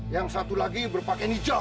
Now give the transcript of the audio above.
yang satu lagi berpakaian hijau